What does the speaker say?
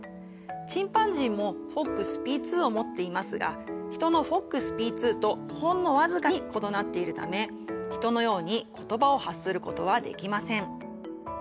チンパンジーもＦＯＸＰ２を持っていますがヒトのＦＯＸＰ２とほんの僅かに異なっているためヒトのように言葉を発することはできません。